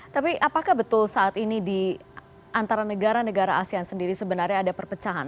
tapi apakah betul saat ini di antara negara negara asean sendiri sebenarnya ada perpecahan